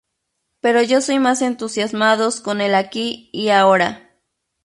Pero yo soy más entusiasmados con el aquí y ahora.